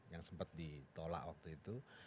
yang sempat ditolak waktu itu